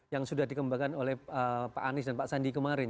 yang sudah dikembangkan oleh pak anies dan pak sandi kemarin